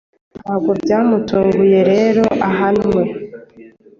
ntabwo byamutunguye rero ahanwe